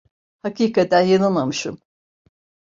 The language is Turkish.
Hakikaten yanılmamışım…